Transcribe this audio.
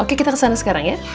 oke kita kesana sekarang ya